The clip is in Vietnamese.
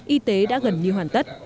y tế đã gần như hoàn tất